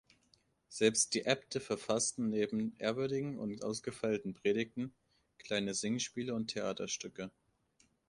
Selbst die Äbte verfassten, neben ehrwürdigen und ausgefeilten Predigen, kleine Singspiele und Theaterstücke.